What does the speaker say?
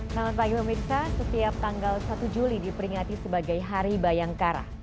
selamat pagi pemirsa setiap tanggal satu juli diperingati sebagai hari bayangkara